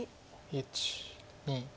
１２。